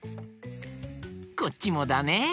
こっちもだね！